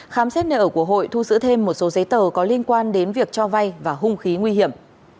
khám xét nợ của hội thu giữ thêm một số giấy tờ có liên quan đến việc cho vay và hung khí nguy hiểm